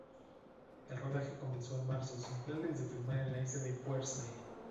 El rodaje comenzó en marzo, sin planes de firmar en la isla de Guernsey.